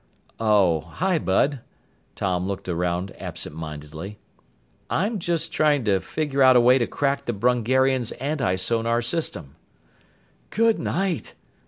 "Oh, hi, Bud!" Tom looked around absent mindedly. "I'm just trying to figure out a way to crack the Brungarians' antisonar system." "Good night!"